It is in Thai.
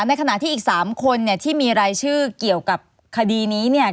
ในขณะที่อีก๓คนเนี่ยที่มีรายชื่อเกี่ยวกับคดีนี้เนี่ย